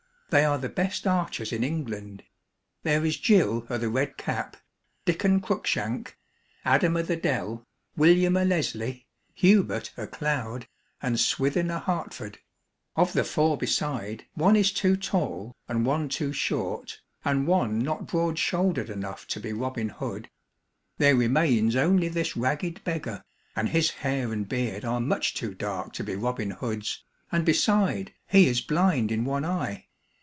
They are the best archers in England. There is Gill o' the Red Cap, Diccon Cruikshank, Adam o' the Dell, William o' Leslie, Hubert o' Cloud, and Swithin o'Hertford. Of the four beside, one is too tall and one too short and one not broad shouldered enough to be Robin Hood. There remains only this ragged beggar, and his hair and beard are much too dark to be Robin Hood's, and beside, he is blind in one eye.